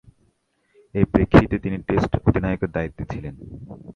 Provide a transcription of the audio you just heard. এ প্রেক্ষিতে তিনি টেস্টে অধিনায়কের দায়িত্বে ছিলেন।